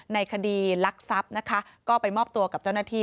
ในคดีลักทรัพย์นะคะก็ไปมอบตัวกับเจ้าหน้าที่